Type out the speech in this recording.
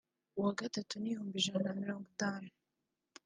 uwa gatatu ni ibihumbi ijana na mirongo itanu